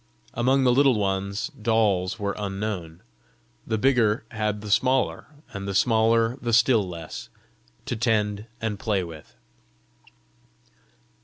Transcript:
Among the Little Ones, dolls were unknown; the bigger had the smaller, and the smaller the still less, to tend and play with.